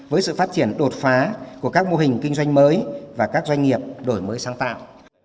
với sự phát triển đột phá của các mô hình kinh doanh mới và các doanh nghiệp đổi mới sáng tạo